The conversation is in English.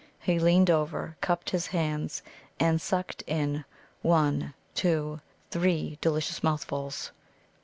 He leaned over, cupped his hands, and sucked in one, two, three delicious mouthfuls.